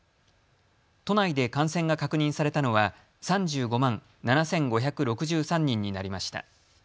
都内で感染が確認されたのは３５万７５６３人になりました。